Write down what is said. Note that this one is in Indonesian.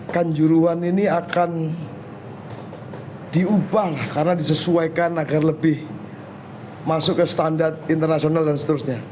kanjuruan ini akan diubah karena disesuaikan agar lebih masuk ke standar internasional dan seterusnya